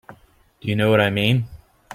Do you know what I mean?